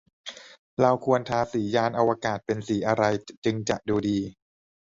เราควรทาสียานอวกาศเป็นสีอะไร จึงจะดูดี